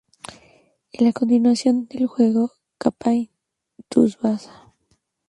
Es la continuación del juego Captain Tsubasa.